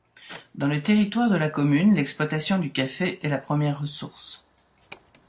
Dans le territoire de la commune, l’exploitation du café est la première ressource.